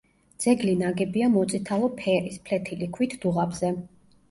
ძეგლი ნაგებია მოწითალო ფერის, ფლეთილი ქვით დუღაბზე.